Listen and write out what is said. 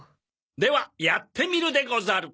ではやってみるでござる。